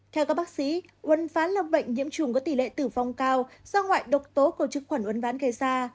theo các bác sĩ quân phán là bệnh nhiễm trùng có tỷ lệ tử vong cao do ngoại độc tố của trực khuẩn quân phán gây ra